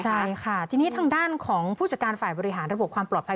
ใช่ค่ะทีนี้ทางด้านของผู้จัดการฝ่ายบริหารระบบความปลอดภัย